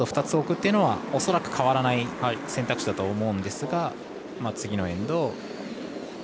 ２つ置くというのは恐らく、変わらない選択肢だとは思うんですが次のエンド。